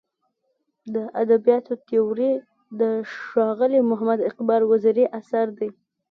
د ادبیاتو تیوري د ښاغلي محمد اقبال وزیري اثر دی.